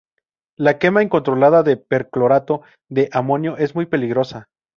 La quema incontrolada de perclorato de amonio es muy peligrosa.